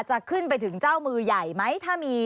จะขึ้นไปถึงเจ้ามือใหญ่ไหมถ้ามี